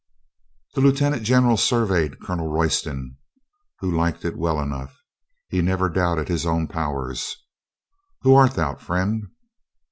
The lieutenant general surveyed Colonel Roy ston, who liked it well enough. He never doubted his own powers. "Who art thou, friend?"